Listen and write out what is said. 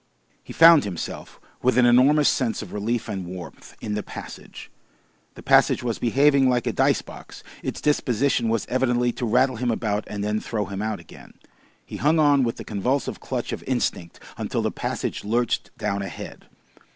He found himself, with an enormous sense of relief and warmth, in the passage. The passage was behaving like a dice box, its disposition was evidently to rattle him about and then throw him out again. He hung on with the convulsive clutch of instinct until the passage lurched down ahead.